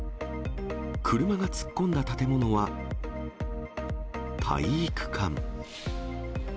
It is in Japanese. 車が突っ込んだ建物は、体育館。